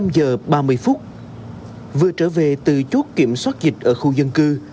năm giờ ba mươi phút vừa trở về từ chốt kiểm soát dịch ở khu dân cư